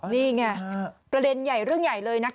นี่ไงประเด็นใหญ่เรื่องใหญ่เลยนะคะ